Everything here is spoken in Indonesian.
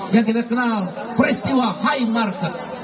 yang kita kenal peristiwa high market